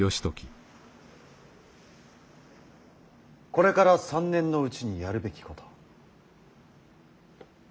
「これから３年のうちにやるべきこと」。